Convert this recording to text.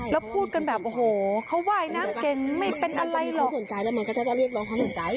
แล้วพูดกันแบบโอ้โหเขาไหว้น้ำเก่งไม่เป็นอะไรหรอก